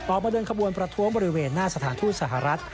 ออกมาเดินขบวนประท้วงบริเวณหน้าสถานทูตสหรัฐ